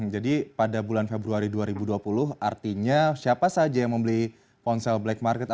jadi pada bulan februari dua ribu dua puluh artinya siapa saja yang membeli ponsel black market